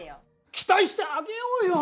期待してあげようよ。